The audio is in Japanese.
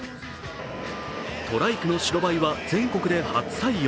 トライクの白バイは全国で初採用。